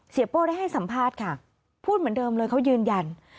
โป้ได้ให้สัมภาษณ์ค่ะพูดเหมือนเดิมเลยเขายืนยัน